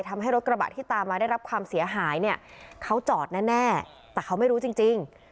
ทำให้รถกระบะที่ตามมาได้รับความเสียหายเนี่ยเขาจอดแน่แต่เขาไม่รู้จริง